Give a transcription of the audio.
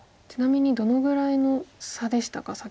ちなみにどのぐらいの差でしたか？